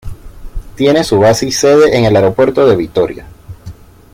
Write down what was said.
Tiene su base y sede en el aeropuerto de Vitoria.